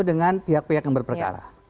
dengan pihak pihak yang berperkara